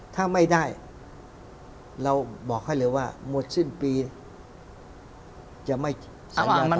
ถ้าไม่ได้เราบอกให้เลยว่าหมดสิ้นปีจะไม่อนุญาต